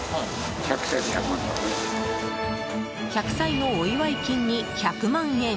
１００歳のお祝い金に１００万円。